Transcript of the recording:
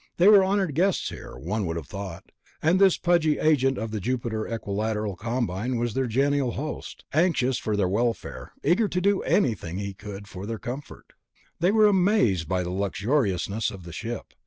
They were honored guests here, one would have thought, and this pudgy agent of the Jupiter Equilateral combine was their genial host, anxious for their welfare, eager to do anything he could for their comfort.... They were amazed by the luxuriousness of the ship.